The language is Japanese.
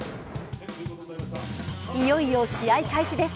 いよいよ試合開始です。